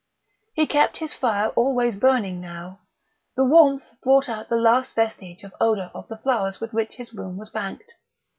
He kept his fire always burning now; the warmth brought out the last vestige of odour of the flowers with which his room was banked.